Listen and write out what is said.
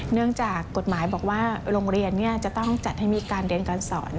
เนื่องจากกฎหมายบอกว่าโรงเรียนจะต้องจัดให้มีการเรียนการสอน